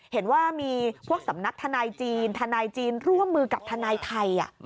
เห็นว่ามีพวกสำนักทนายจีนทนายจีนร่วมมือกับทนายไทย